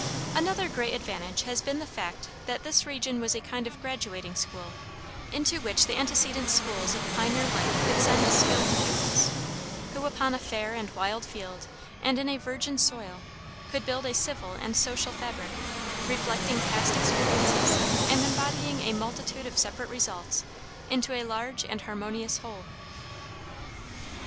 Another great advantage has been the fact that this region was a kind of graduating school, into which the antecedent schools of pioneer life could send skilled pupils, who, upon a fair and wide field, and in a virgin soil, could build a civil and social fabric, reflecting past experiences and embodying a multitude of separate results into a large and harmonious whole.